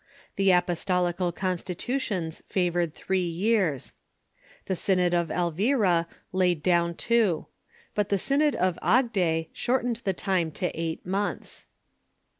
The Apostolical Constitutions favored three years. The Synod of Elvira laid down two. But the Synod of Agde shortened the time to eight months.